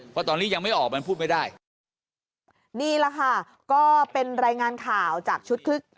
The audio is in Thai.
เพราะตอนนี้ยังไม่ออกมันพูดไม่ได้นี่แหละค่ะก็เป็นรายงานข่าวจากชุดคลึก